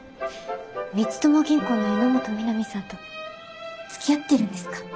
光友銀行の榎本美波さんとつきあってるんですか？